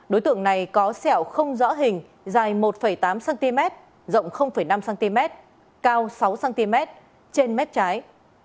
đối tượng này có sẹo không rõ hình dài một tám cm rộng năm cm cao sáu cm trên mép trái